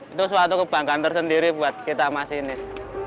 itu suatu kebanggaan tersendiri buat kita masinis